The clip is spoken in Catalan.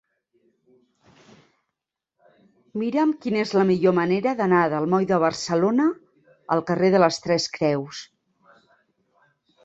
Mira'm quina és la millor manera d'anar del moll de Barcelona al carrer de les Tres Creus.